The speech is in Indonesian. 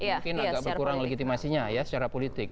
mungkin agak berkurang legitimasinya ya secara politik